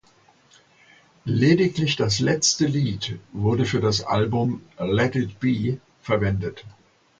Lediglich das letzte Lied wurde für das Album "Let It Be" verwendet.